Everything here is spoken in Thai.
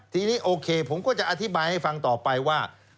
ทีนี้โอเคผมก็จะอธิบายให้ฟังต่อไปว่า